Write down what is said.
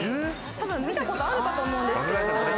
多分見たことあると思うんですけど。